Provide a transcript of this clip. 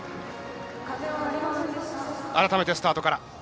改めてスタートから。